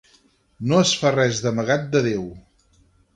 No es fa res d'amagat de Déu.